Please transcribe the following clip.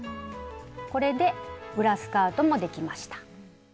これで裏スカートもできました。